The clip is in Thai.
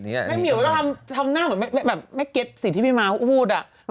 แม่เมียทำน่าเหมือนแม่เกษสิทธิไม่มาอู้ดอ่ะ